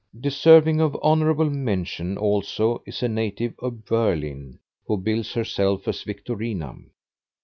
Deserving of honorable mention also is a native of Berlin, who bills herself as Victorina.